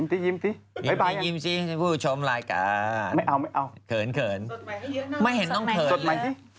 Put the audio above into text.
มายูหวานดีกว่า